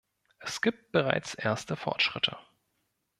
Es gibt bereits erste Fortschritte.